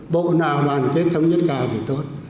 bộ nào đoàn kết thống nhất cao thì tốt